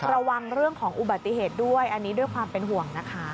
ระวังเรื่องของอุบัติเหตุด้วยอันนี้ด้วยความเป็นห่วงนะคะ